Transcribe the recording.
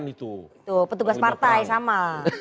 itu petugas partai sama